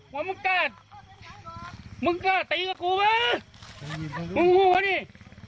ว่ามึงก็มึงก็ตีกับกูเมื่อมึงหัวเนี้ย